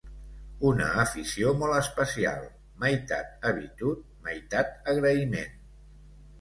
Una afició molt especial, meitat habitud, meitat agraïment